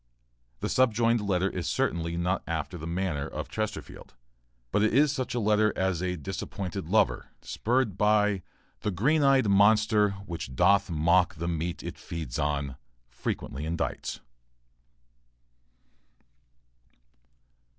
The subjoined letter is certainly not after the manner of Chesterfield, but it is such a letter as a disappointed lover, spurred by The green eyed monster, which doth mock The meat it feeds on, frequently indites.